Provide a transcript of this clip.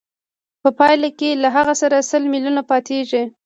په پایله کې له هغه سره سل میلیونه پاتېږي